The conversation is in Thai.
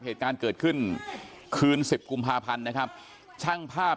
เหตุการณ์เกิดขึ้นคืนสิบกุมภาพันธ์นะครับช่างภาพ